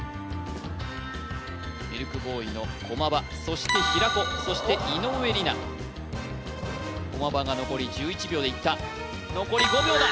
ミルクボーイの駒場そして平子そして井上梨名駒場が残り１１秒でいった残り５秒だ